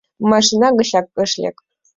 Машина гычат ыш лек.